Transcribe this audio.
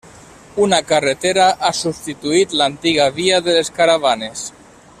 Una carretera ha substituït l'antiga via de les caravanes.